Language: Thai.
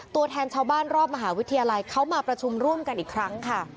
ตัวแทนชาวบ้านรอบมหาวิทยาลัยเขามาประชุมร่วมกันอีกครั้งค่ะ